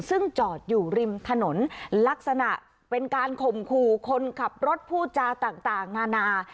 ซึ่งจอดอยู่ริมถนนลักษณะเป็นการข่มขู่คนขับรถพูดจาต่างนานา